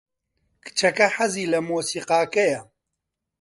کچەکە حەزی لە مۆسیقاکەیە.